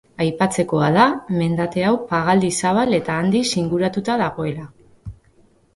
Aipatzekoa da, mendate hau pagadi zabal eta handiz inguratuta dagoela.